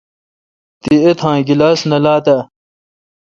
تی ایتھان کلاس نہ لات اؘ۔